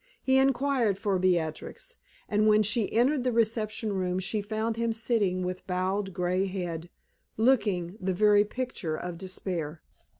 He inquired for Beatrix, and when she entered the reception room she found him sitting with bowed gray head, looking the very picture of despair.